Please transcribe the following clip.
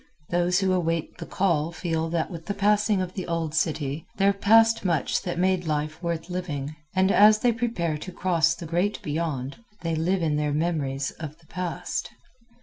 Those who await The Call feel that with the passing of the old city there passed much that made life worth living, and as they prepare to cross to the Great Beyond, they live in their memories of the Past.